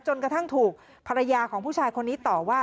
จนกระทั่งถูกภรรยาของผู้ชายคนนี้ต่อว่า